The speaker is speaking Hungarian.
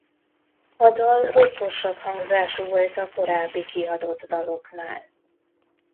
A dal rockosabb hangzású volt a korábbi kiadott daloknál.